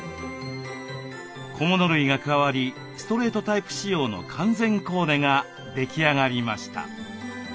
小物類が加わりストレートタイプ仕様の完全コーデが出来上がりました。